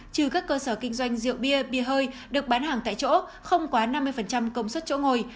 trừ các cơ sở kinh doanh rượu bia bia hơi được bán hàng tại chỗ không quá năm mươi công suất chỗ ngồi